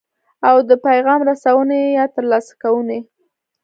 او د پیغام رسونې یا ترلاسه کوونې.